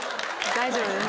大丈夫です。